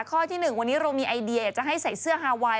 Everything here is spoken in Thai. ข้อที่๑วันนี้เรามีไอเดียจะให้ใส่เสื้อฮาไวน์